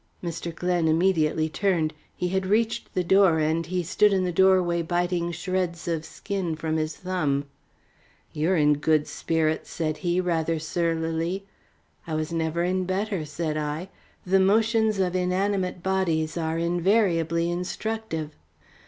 Mr. Glen immediately turned. He had reached the door, and he stood in the doorway biting shreds of skin from his thumb. "You are in good spirits," said he, rather surlily. "I was never in better," said I. "The motions of inanimate bodies are invariably instructive."